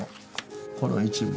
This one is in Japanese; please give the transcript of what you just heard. この一部分。